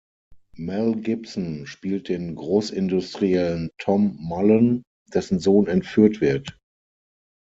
Mel Gibson spielt den Großindustriellen Tom Mullen, dessen Sohn entführt wird.